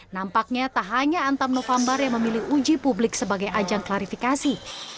nampaknya tak hanya antam november yang memilih uji publik sebagai ajang klarifikasi